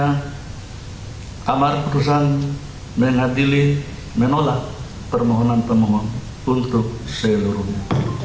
kamar perusahaan mengadili menolak permohonan permohonan untuk seluruhnya